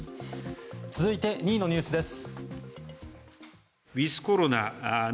続いて、２位のニュースです。